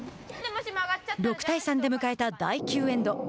６対３で迎えた第９エンド。